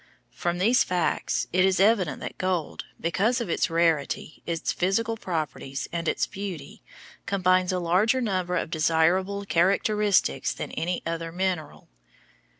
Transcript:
From these facts it is evident that gold, because of its rarity, its physical properties, and its beauty, combines a larger number of desirable characteristics than any other mineral.